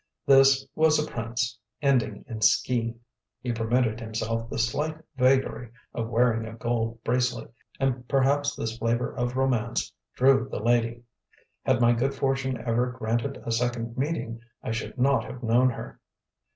This was a prince, ending in "ski": he permitted himself the slight vagary of wearing a gold bracelet, and perhaps this flavour of romance drew the lady. Had my good fortune ever granted a second meeting, I should not have known her.